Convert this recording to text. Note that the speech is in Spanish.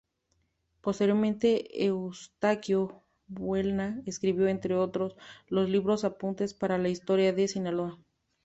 Posteriormente Eustaquio Buelna escribió, entre otros, los libros "Apuntes Para la Historia de Sinaloa.